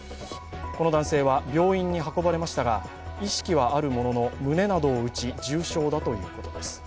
この男性は病院に運ばれましたが意識はあるものの胸などを打ち、重傷だということです。